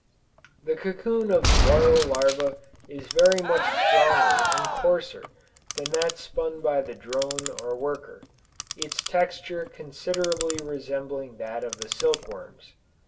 The cocoon of the royal larva is very much stronger and coarser than that spun by the drone or worker, its texture considerably resembling that of the silk worm's.